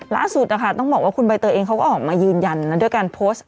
ล่าสุดนะคะต้องบอกว่าคุณใบเตยเองเขาก็ออกมายืนยันแล้วด้วยการโพสต์